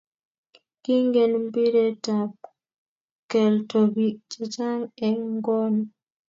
Kingen mpiret ab kelto biik che chang eng ng'ony.